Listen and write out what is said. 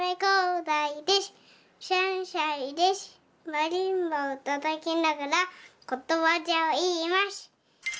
マリンバをたたきながらことわざをいいます！